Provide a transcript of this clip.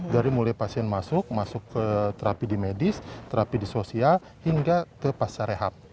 dari mulai pasien masuk masuk ke terapi di medis terapi di sosial hingga ke pasar rehab